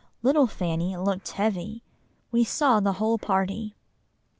Little Fanny looked heavy. We saw the whole party."